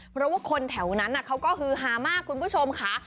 เพราะว่าคนแถวนั้นเขาก็ฮือฮามากคุณผู้ชมค่ะ